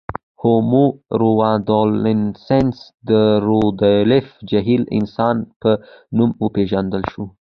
هومو رودولفنسیس د رودولف جهیل انسان په نوم وپېژندل شو.